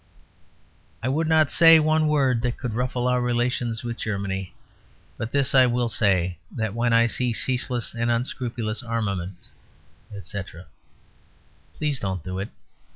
"I would not say one word that could ruffle our relations with Germany. But this I will say; that when I see ceaseless and unscrupulous armament," etc. Please don't do it.